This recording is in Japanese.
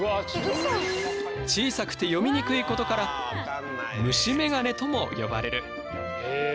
小さくて読みにくいことから虫メガネとも呼ばれる。